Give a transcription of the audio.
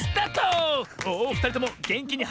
おふたりともげんきにはしってったぞ！